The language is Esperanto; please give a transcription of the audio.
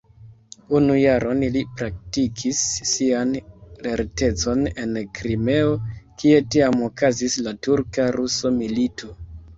Unu jaron li praktikis sian lertecon en Krimeo, kie tiam okazis la turka-rusa milito.